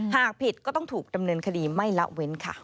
หากผิดก็ต้องถูกดำเนินคดีไม่ละเว้นค่ะ